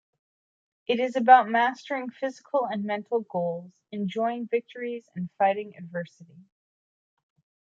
It is about mastering physical and mental goals, enjoying victories and fighting adversity.